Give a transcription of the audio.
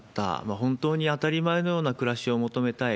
本当に当たり前のような暮らしを求めたい。